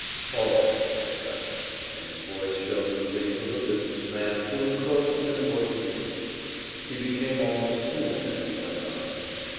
"All right," said Guffey; and his voice showed the relief of a business man who has closed an important deal. He became almost human as lie went on.